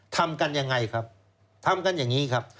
ทำกันยังไงครับทำกันอย่างนี้ครับ